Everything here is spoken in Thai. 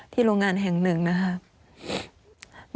โรงงานแห่งหนึ่งนะครับ